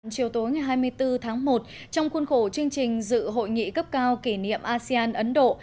chiều tối ngày hai mươi bốn tháng một trong khuôn khổ chương trình dự hội nghị cấp cao kỷ niệm asean ấn độ